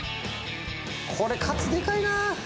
これ、カツ、でかいな。